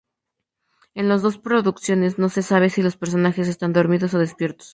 En las dos producciones no se sabe si los personajes están dormidos o despiertos.